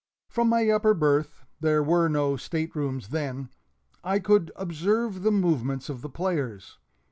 From my upper berth (there were no state rooms then) I could observe the movements of the players.